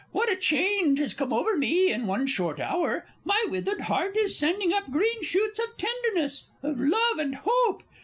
What a change has come over me in one short hour! my withered heart is sending up green shoots of tenderness, of love, and hope!